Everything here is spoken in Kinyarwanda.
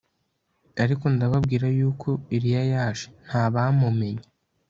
ariko ndababwira yuko eliya yaje ntibamumenya